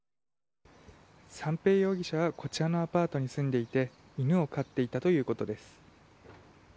三瓶容疑者はこちらのアパートに住んでいて犬を飼っていたということです。